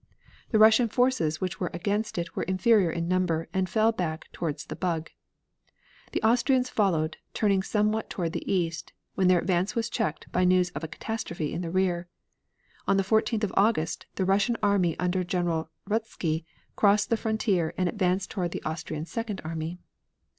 The Russian forces which were against it were inferior in number, and fell back towards the Bug. The Austrians followed, turning somewhat toward the east, when their advance was checked by news of catastrophe in their rear. On the 14th of August the Russian army under General Ruzsky crossed the frontier, and advanced toward the Austrian second army.